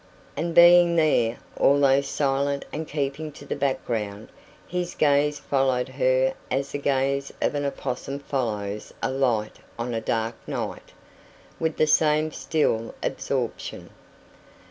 And being there, although silent and keeping to the background, his gaze followed her as the gaze of an opossum follows a light on a dark night, with the same still absorption.